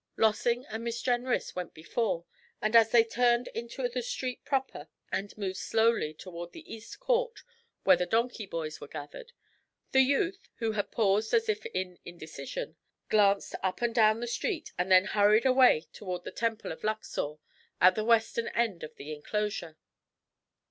Lossing and Miss Jenrys went before, and as they turned into the street proper, and moved slowly toward the east court where the donkey boys were gathered, the youth, who had paused as if in indecision, glanced up and down the street and then hurried away toward the Temple of Luxor at the western end of the inclosure.